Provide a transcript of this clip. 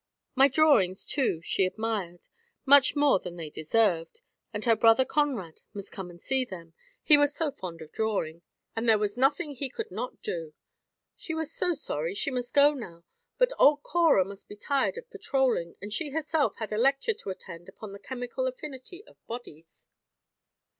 My drawings too she admired, much more than they deserved, and her brother Conrad must come and see them, he was so fond of drawing, and there was nothing he could not do. She was so sorry she must go now, but old Cora must be tired of patroling, and she herself had a lecture to attend upon the chemical affinity of bodies.